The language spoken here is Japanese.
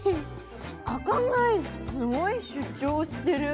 赤貝すごい主張してる。